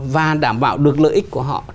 và đảm bảo được lợi ích của họ